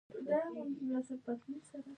تاسو باید زموږ د حکومت مشورې ومنئ.